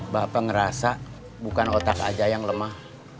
bapak ngerasa bukan otak aja yang lemah